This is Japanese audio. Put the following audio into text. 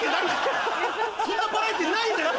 そんなバラエティーないんだよ！